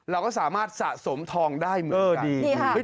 เราก็สามารถสะสมทองได้เหมือนกัน